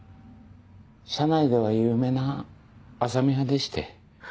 社内では有名な浅海派でして。